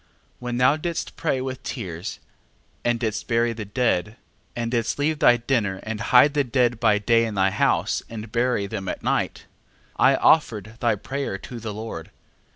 12:12. When thou didst pray with tears, and didst bury the dead, and didst leave thy dinner, and hide the dead by day in thy house, and bury them by night, I offered thy prayer to the Lord.